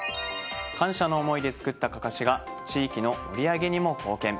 感謝の思いで作ったかかしが地域の盛り上げにも貢献。